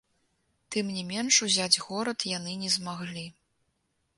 Тым не менш ўзяць горад яны не змаглі.